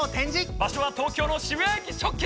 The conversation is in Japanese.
場しょは東京の渋谷駅直結！